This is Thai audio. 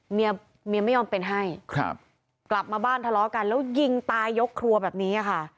เมียเมียไม่ยอมเป็นให้ครับกลับมาบ้านทะเลาะกันแล้วยิงตายยกครัวแบบนี้ค่ะ